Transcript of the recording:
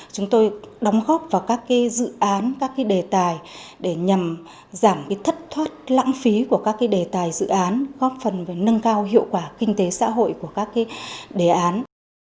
chúng tôi đóng góp vào các dự án các đề tài để nhằm giảm thất thoát lãng phí của các đề tài dự án góp phần nâng cao hiệu quả kinh tế xã hội của các đề án